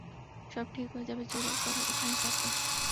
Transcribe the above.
সব ঠিক হয়ে যাবে জোরে করে এখানে চাপ দে।